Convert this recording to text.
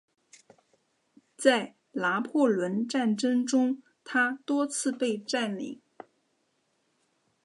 在拿破仑战争中它多次被占领。